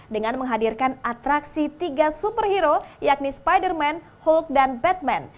dengan menghadirkan atraksi tiga superhero yakni spider man hulk dan batman